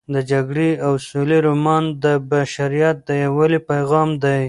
د جګړې او سولې رومان د بشریت د یووالي پیغام دی.